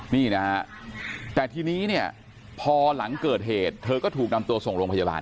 นี่นะฮะแต่ทีนี้เนี่ยพอหลังเกิดเหตุเธอก็ถูกนำตัวส่งโรงพยาบาล